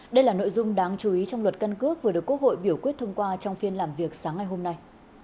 đây là nội dung đáng chú ý trong luật căn cước vừa được quốc hội biểu quyết thông qua trong phiên làm việc sáng ngày hôm nay